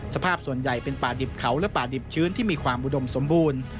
ส่วนใหญ่เป็นป่าดิบเขาและป่าดิบชื้นที่มีความอุดมสมบูรณ์